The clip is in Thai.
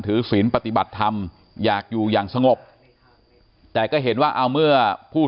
ศีลปฏิบัติธรรมอยากอยู่อย่างสงบแต่ก็เห็นว่าเอาเมื่อผู้